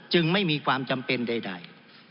ไม่มีความจำเป็นใด